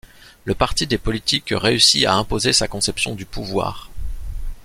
Le parti des politiques réussit à imposer sa conception du pouvoir.